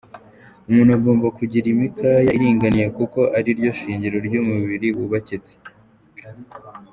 Umuntu agomba kugira imikaya iringaniye kuko ariryo shingiro ry’umubiri wubakitse.